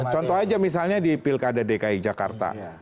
contoh aja misalnya di pilkada dki jakarta